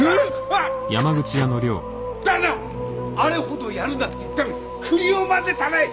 あれほどやるなって言ったのに栗をまぜたね！